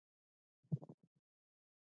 ایا زه باید غلا وکړم؟